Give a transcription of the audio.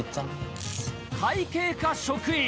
会計課職員。